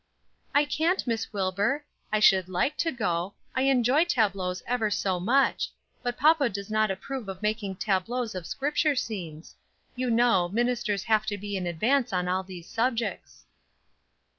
"I can't, Miss Wilbur. I should like to go; I enjoy tableaux ever so much; but papa does not approve of making tableaux of Scripture scenes. You know, ministers have to be in advance on all these subjects."